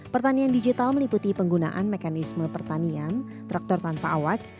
pertanian digital meliputi penggunaan mekanisme pertanian traktor tanpa awak